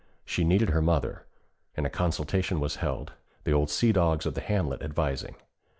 She needed her mother, and a consultation was held, the old sea dogs of the hamlet advising.